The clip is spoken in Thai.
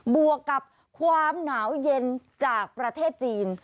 บวกกับความหนาวเย็นจากประเทศจีน